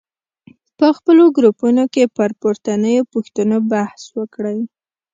په خپلو ګروپونو کې پر پورتنیو پوښتنو بحث وکړئ.